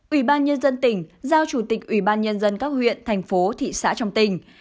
ủy ban nhân dân tỉnh giao chủ tịch ủy ban nhân dân các huyện thành phố thị xã trong tỉnh